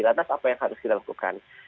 lantas apa yang harus dilakukan